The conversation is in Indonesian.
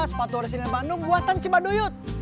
sepatu residen bandung buatan cibaduyut